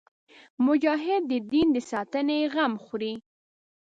مجاهد د دین د ساتنې غم خوري.